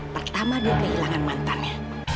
pertama dia kehilangan mantannya